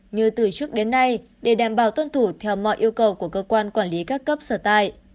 như từ trước đến nay để đảm bảo tuân thủ theo mọi yêu cầu của cơ quan quản lý các cấp sở tại